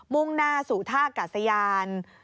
มุ่งหน้าสู่ท่ากัดสยาน